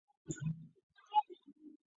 光绪三十三年。